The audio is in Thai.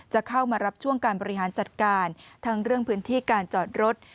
จะเข้ามารับช่วงการบริหารจัดการทั้งเรื่องพื้นที่การจอดรถ